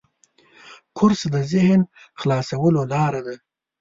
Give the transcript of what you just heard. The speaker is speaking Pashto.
کورس د ذهن خلاصولو لاره ده.